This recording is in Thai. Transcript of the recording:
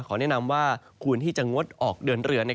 แนะนำว่าควรที่จะงดออกเดินเรือ